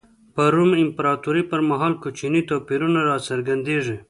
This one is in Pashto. په روم امپراتورۍ پر مهال کوچني توپیرونه را څرګندېږي.